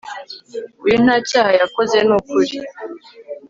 uyu ntacyaha yakoze nukuri